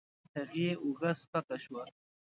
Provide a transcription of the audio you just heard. هغې اوږه سپکه شوه.